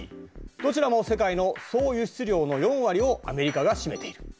どちらも世界の総輸出量の４割をアメリカが占めている。